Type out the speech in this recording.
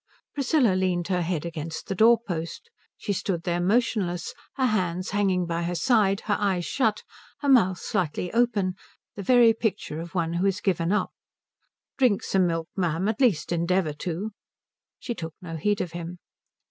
Priscilla leaned her head against the door post. She stood there motionless, her hands hanging by her side, her eyes shut, her mouth slightly open, the very picture of one who has given up. "Drink some milk, ma'am. At least endeavour to." She took no heed of him.